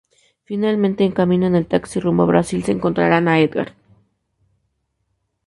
Finalmente, en camino en el taxi rumbo a Brasil, se encontrarán a Edgar.